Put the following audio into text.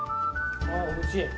あおいしい。